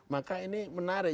maka ini menarik